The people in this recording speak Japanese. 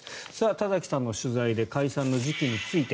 田崎さんの取材で解散の時期について。